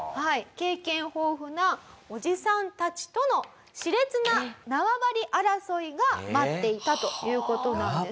経験豊富なおじさんたちとのし烈な縄張り争いが待っていたという事なんです。